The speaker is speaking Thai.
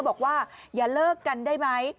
บอกว่าอย่าเลิกกันได้ไหม